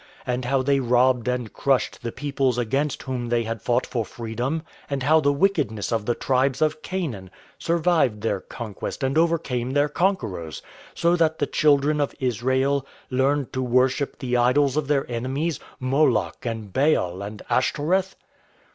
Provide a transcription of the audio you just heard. And how they robbed and crushed the peoples against whom they had fought for freedom? And how the wickedness of the tribes of Canaan survived their conquest and overcame their conquerors, so that the children of Israel learned to worship the idols of their enemies, Moloch, and Baal, and Ashtoreth?